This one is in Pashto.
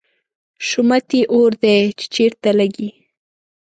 شومت یې اور دی، چې چېرته لګي